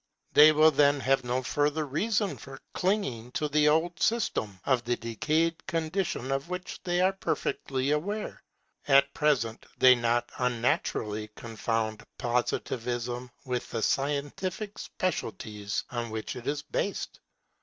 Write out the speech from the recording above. They will then have no further reason for clinging to the old system, of the decayed condition of which they are perfectly aware. At present they not unnaturally confound Positivism with the scientific specialities on which it is based.